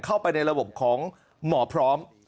เข้าไปในระบบของหมอพร้อม